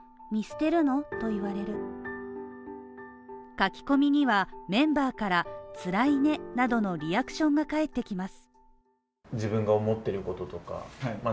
書き込みには、メンバーから「つらいね」などのリアクションが返ってきます。